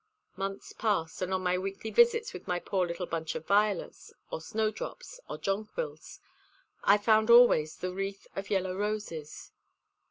Months passed, and on my weekly visits with my poor little bunch of violets, or snowdrops, or jonquils, I found always the wreath of yellow roses.